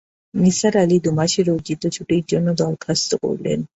নিসার আলি দুমাসের অর্জিত ছুটির জন্যে দরখাস্ত করলেন।